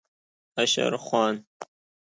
عشر خوان